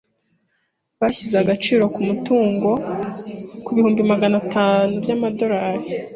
Bashyize agaciro k'umutungo ku bihumbi magana atatu by'amadolari.